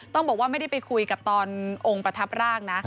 ต้องบอกว่าไม่ได้ไปคุยกับตอนองค์ประทับร่างนะ